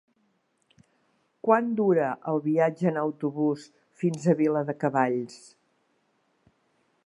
Quant dura el viatge en autobús fins a Viladecavalls?